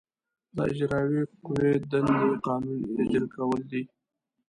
د اجرائیه قوې دندې قانون اجرا کول دي.